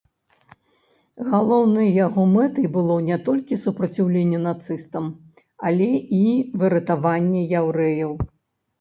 Галоўнай яго мэтай было не толькі супраціўленне нацыстам, але і выратаванне яўрэяў.